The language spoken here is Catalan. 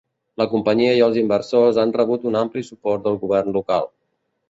La companyia i els inversors han rebut un ampli suport del govern local.